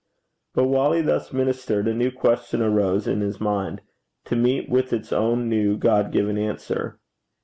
But while he thus ministered, a new question arose in his mind to meet with its own new, God given answer.